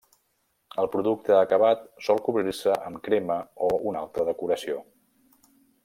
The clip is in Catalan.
El producte acabat sol cobrir-se amb crema o una altra decoració.